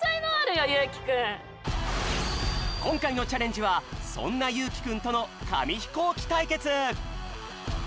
こんかいのチャレンジはそんなゆうきくんとのかみひこうきたいけつ！